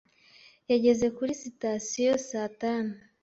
Yageze kuri sitasiyo saa tanu.